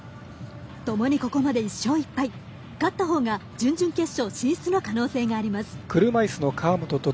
ともにここまで１勝１敗勝った方が準々決勝進出の可能性があります。